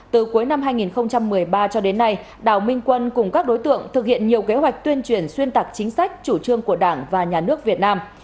từ cuối năm hai nghìn một mươi ba cho đến nay đào minh quân cùng các đối tượng thực hiện nhiều kế hoạch tuyên truyền xuyên tạc chính sách chủ trương của đảng và nhà nước việt nam